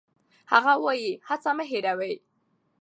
هغه وايي، هڅه مه هېروئ.